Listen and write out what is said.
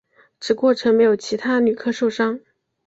此过程没有其他旅客受伤。